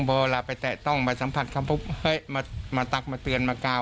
เบาะลาไปแตะต้องมาสัมภัยทำพวกให้มามาตัดมาเตือนมากาว